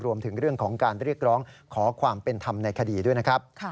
รวมถึงเรื่องของการเรียกร้องขอความเป็นธรรมในคดีด้วยนะครับ